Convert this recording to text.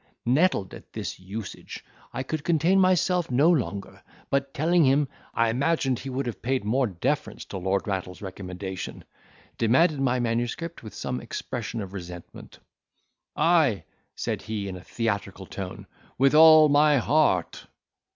Nettled at this usage, I could contain myself no longer, but, telling him, I imagined he would have paid more deference to Lord Rattle's recommendation, demanded my manuscript with some expression of resentment. "Ay," said he in a theatrical tone, "with all my heart."